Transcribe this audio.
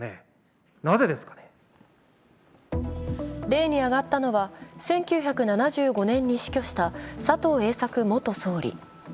例に挙がったのは、１９７５年に死去した佐藤栄作元総理。